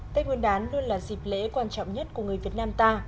tết nguyên đán luôn là dịp lễ quan trọng nhất của người việt nam ta